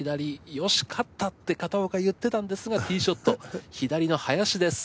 「よし勝った」って片岡言ってたんですがティーショット左の林です。